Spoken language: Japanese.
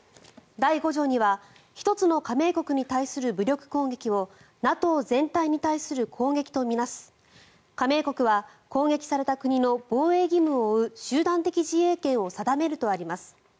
第５条には１つの加盟国に対する武力攻撃をＮＡＴＯ全体に対する攻撃と見なす加盟国は攻撃された国の防衛義務を負う集団的自衛権を定めるとあります。